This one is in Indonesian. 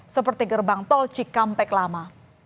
seperti gerbang tol cikampek lama